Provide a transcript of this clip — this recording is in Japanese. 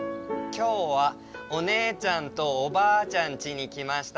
「きょうはおねえちゃんとおばあちゃんちにきました。